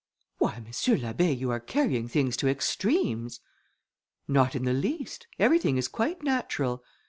"Why, M. l'Abbé, you are carrying things to extremes!" "Not in the least, everything is quite natural.